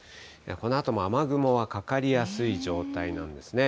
このあとも雨雲はかかりやすい状態なんですね。